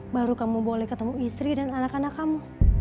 baru kamu boleh ketemu istri dan anak anak kamu